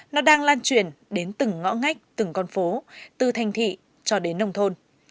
nó đang lan truyền đến từng ngõ ngách từng con phố từ thành thị cho đến nông thôn